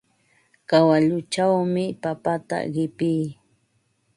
Kawalluchawmi papata qipii.